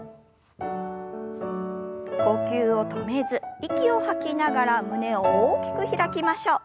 呼吸を止めず息を吐きながら胸を大きく開きましょう。